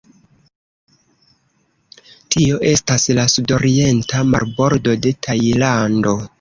Tio estas la sudorienta marbordo de Tajlando.